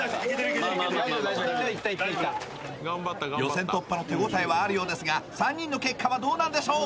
予選突破の手ごたえはあるようですが３人の結果はどうなんでしょう？